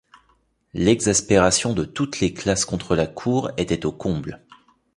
L'exaspération de toutes les classes contre la cour était au comble.